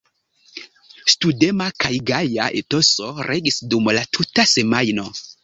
Studema kaj gaja etoso regis dum la tuta semajno.